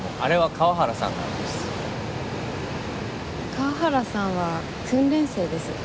河原さんは訓練生です。